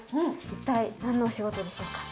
一体何のお仕事でしょうか？